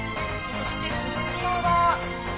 そしてこちらは。